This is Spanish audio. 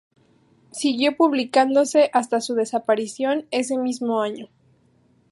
Siguió publicándose hasta su desaparición ese mismo año.